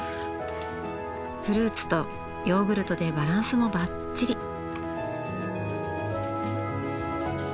フルーツとヨーグルトでバランスもバッチリ。